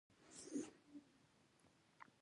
لنډۍ د پښتو شفاهي ادب برخه ده.